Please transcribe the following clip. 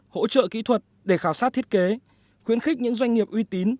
hỗ trợ kỹ thuật để khảo sát thiết kế khuyến khích những doanh nghiệp uy tín